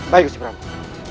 baik ust pramuk